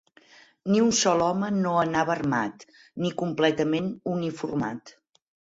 Ni un sol home no anava armat, ni completament uniformat